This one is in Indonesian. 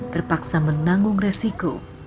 terpaksa menanggung resiko